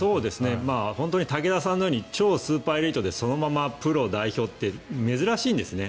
本当に武田さんのように超スーパーエリートでそのままプロ、代表って珍しいんですね。